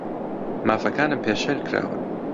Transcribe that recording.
مافەکانم پێشێل کراون.